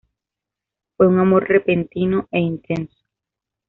Fue un amor repentino e intenso.